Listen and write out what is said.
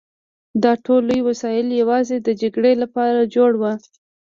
دا ټول لوی وسایل یوازې د جګړې لپاره جوړ وو